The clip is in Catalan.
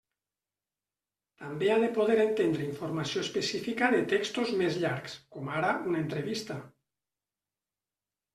També ha de poder entendre informació específica de textos més llargs, com ara un entrevista.